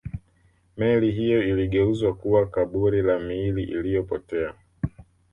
meli hiyo iligeuzwa kuwa kaburi la miili iliyopotea